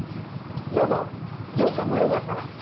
どうぞ上司さんもよかったら。